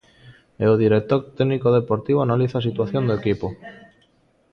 E o director técnico do Deportivo analiza a situación do equipo.